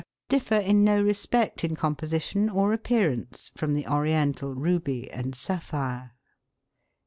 differ in no respect in composition or appearance from the Oriental ruby and sapphire.